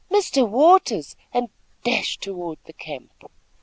Mr. Waters!" and dashed toward the camp.